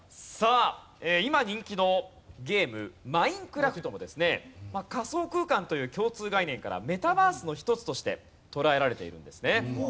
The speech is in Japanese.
さあ今人気のゲーム『マインクラフト』もですね仮想空間という共通概念からメタバースの一つとして捉えられているんですね。